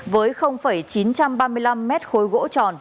với chín trăm ba mươi năm mét khối gỗ tròn